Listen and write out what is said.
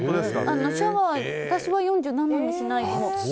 シャワー、私は４７にしないと。